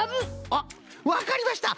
あっわかりました！